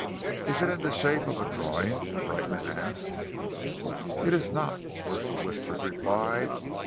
"Is it in the shape of a drawing?" Brightman asked. "It is not," was the whispered reply.